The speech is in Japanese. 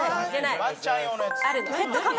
ワンちゃん用のやつ。